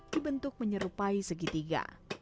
dibentuk menyerupai segitiga